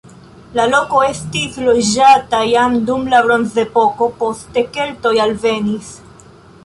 La loko estis loĝata jam dum la bronzepoko, poste keltoj alvenis.